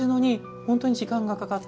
本当に時間がかかって。